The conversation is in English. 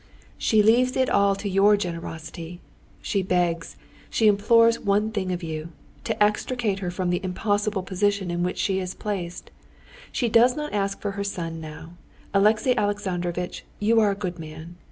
"She leaves it all to your generosity. She begs, she implores one thing of you—to extricate her from the impossible position in which she is placed. She does not ask for her son now. Alexey Alexandrovitch, you are a good man.